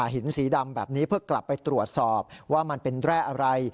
หินสีดำแบบนี้เพื่อกลับไปตรวจสอบว่ามันเป็นแร่อะไร